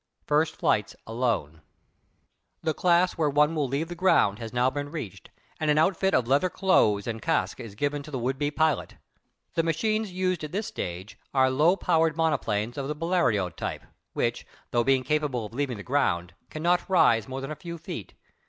FIRST FLIGHTS ALONE The class where one will leave the ground has now been reached, and an outfit of leather clothes and casque is given to the would be pilot. The machines used at this stage are low powered monoplanes of the Blériot type, which, though being capable of leaving the ground, cannot rise more than a few feet.